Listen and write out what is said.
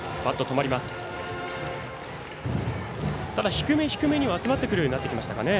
低め低めには集まってくるようになってきましたかね。